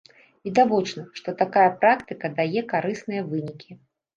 Відавочна, што такая практыка дае карысныя вынікі.